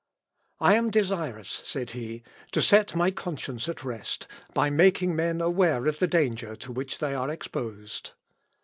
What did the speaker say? "I am desirous," said he, "to set my conscience at rest, by making men aware of the danger to which they are exposed."